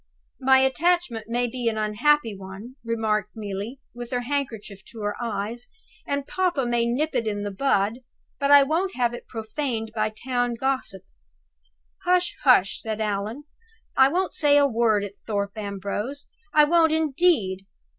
My attachment may be an unhappy one," remarked Neelie, with her handkerchief to her eyes, "and papa may nip it in the bud, but I won't have it profaned by the town gossip!" "Hush! hush!" said Allan. "I won't say a word at Thorpe Ambrose, I won't indeed!"